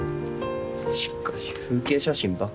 しかし風景写真ばっか。